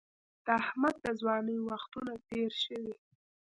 د احمد د ځوانۍ وختونه تېر شوي